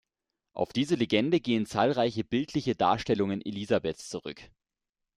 Auf diese Legende gehen zahlreiche bildliche Darstellungen Elisabeths zurück.